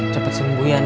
cepet sembuh ya nek